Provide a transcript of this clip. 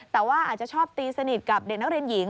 แต่ว่าอาจจะชอบตีสนิทกับเด็กนักเรียนหญิง